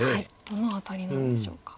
どの辺りなんでしょうか。